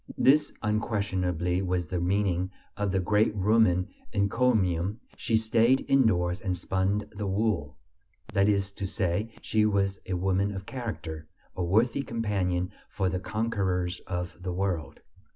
This unquestionably was the meaning of the great Roman encomium: "She stayed indoors and spun the wool," that is to say, she was a woman of character, a worthy companion for the conquerors of the world.